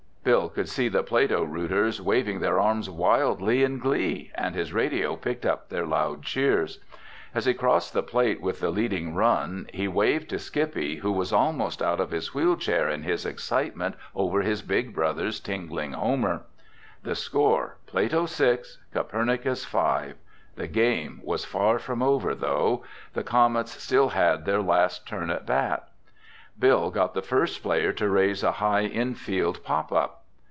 Bill could see the Plato rooters waving their arms wildly in glee, and his radio picked up their loud cheers. As he crossed the plate with the leading run, he waved to Skippy who was almost out of his wheel chair in his excitement over his big brother's tingling homer. The score: Plato 6, Copernicus 5. The game was far from over, though. The Comets still had their last turn at bat. Bill got the first player to raise a high infield pop up.